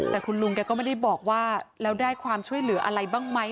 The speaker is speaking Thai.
แต่คุณลุงแกก็ไม่ได้บอกว่าแล้วได้ความช่วยเหลืออะไรบ้างไหม